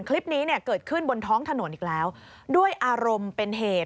คลิปนี้เนี่ยเกิดขึ้นบนท้องถนนอีกแล้วด้วยอารมณ์เป็นเหตุ